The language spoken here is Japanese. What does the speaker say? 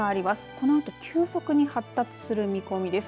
このあと急速に発達する見込みです。